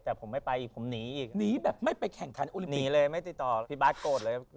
แต่ผมไม่ไปอีกผมหนีอีกหนีแบบไม่ไปแข่งขันอุลินีเลยไม่ติดต่อพี่บาทโกรธเลย